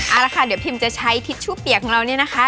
เอาละค่ะเดี๋ยวพิมจะใช้ทิชชู่เปียกของเราเนี่ยนะคะ